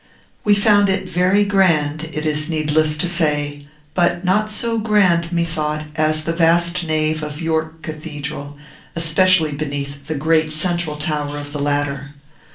We found it very grand, it is needless to say, but not so grand, methought, as the vast nave of York Cathedral, especially beneath the great central tower of the latter.